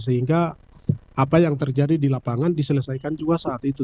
sehingga apa yang terjadi di lapangan diselesaikan juga saat itu